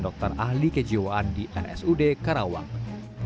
dokter ahli kejiwaan di rsud karawang